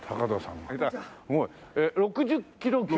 ６０キロ級？